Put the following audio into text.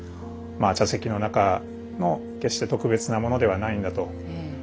まあ茶席の中の決して特別なものではないんだと。